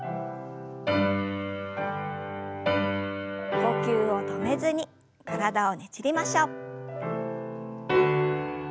呼吸を止めずに体をねじりましょう。